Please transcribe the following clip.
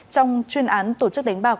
trong chuyên án tổ chức đánh bạc